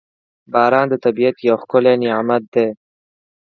• باران د طبیعت یو ښکلی نعمت دی.